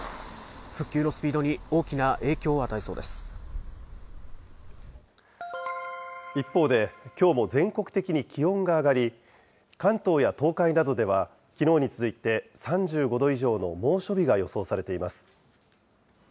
復旧のスピードに大きな影響を与一方で、きょうも全国的に気温が上がり、関東や東海などではきのうに続いて３５度以上の猛暑日が予想されています。